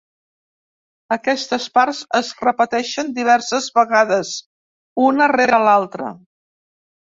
Aquestes parts es repeteixen diverses vegades, una rere l'altra.